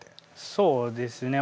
そうですね。